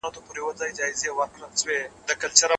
شريعت د افراط ضد دی.